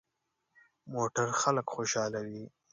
موټر خلک خوشحالوي.